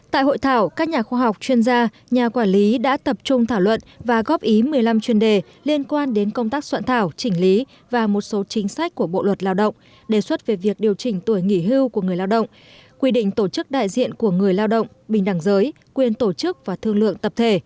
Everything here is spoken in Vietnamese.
tại hội thảo các nhà khoa học chuyên gia nhà quản lý đã tập trung thảo luận và góp ý một mươi năm chuyên đề liên quan đến công tác soạn thảo chỉnh lý và một số chính sách của bộ luật lao động đề xuất về việc điều chỉnh tuổi nghỉ hưu của người lao động quy định tổ chức đại diện của người lao động bình đẳng giới quyền tổ chức và thương lượng tập thể